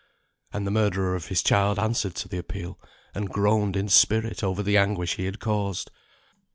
And the murderer of his child answered to the appeal, and groaned in spirit over the anguish he had caused.